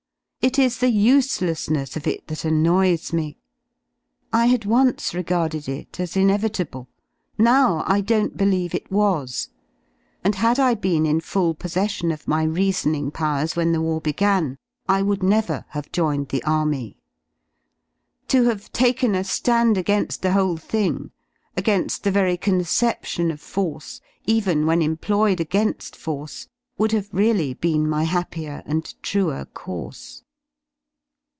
It is the uselessness of it that annoys me. I had once regarded it as inevitable; now I don't believe it was, and had I been in full possession of my reasoning powers when the war began, I would never have joined the Army. To have taken a ^and again^V the whole thing, again^ the very conception of force, even J when employed again^ force, would have really been my /' happier and truer course.